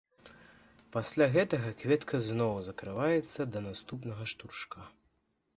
Пасля гэтага кветка зноў закрываецца да наступнага штуршка.